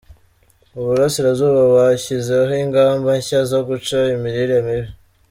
I Burasirazuba Bashyizeho ingamba nshya zo guca imirire mibi